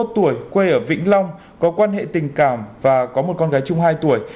ba mươi tuổi quê ở vĩnh long có quan hệ tình cảm và có một con gái chung hai tuổi